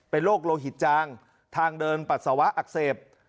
เป็นโรคโลหิตจางทางเดินปัสสาวะอักเสบ